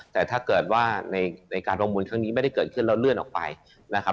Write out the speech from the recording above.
แต่ถ้าเกิดว่าในการประมูลครั้งนี้ไม่ได้เกิดขึ้นแล้วเลื่อนออกไปนะครับ